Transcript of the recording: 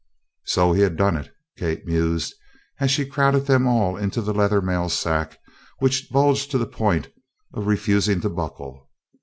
"So he had done it!" Kate mused as she crowded them all into the leather mail sack which bulged to the point of refusing to buckle.